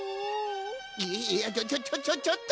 いやちょちょちょちょっと！